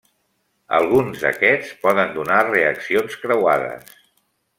Alguns d'aquests poden donar reaccions creuades.